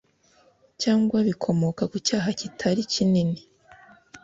Cyangwa bikomoka ku cyaha kitari kinini